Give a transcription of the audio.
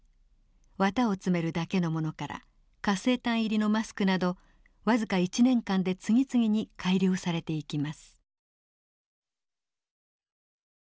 綿を詰めるだけのものから活性炭入りのマスクなど僅か１年間で次々に改良されていきます。